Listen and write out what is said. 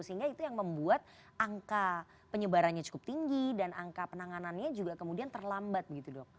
sehingga itu yang membuat angka penyebarannya cukup tinggi dan angka penanganannya juga kemudian terlambat begitu dok